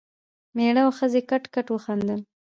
مېړه او ښځې کټ کټ وخندل.